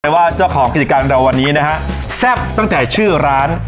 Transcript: ว่าเจ้าของกิจการของเราวันนี้นะฮะแซ่บตั้งแต่ชื่อร้าน